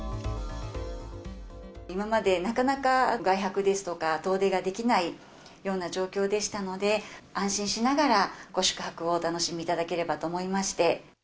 今まで、なかなか外泊ですとか、遠出ができないような状況でしたので、安心しながら、ご宿泊をお楽しみいただければと思いまして。